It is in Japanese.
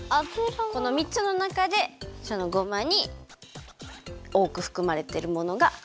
このみっつのなかでごまにおおくふくまれてるものがあるの。